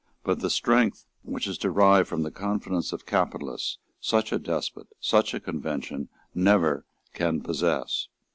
But the strength which is derived from the confidence of capitalists such a despot, such a convention, never can possess.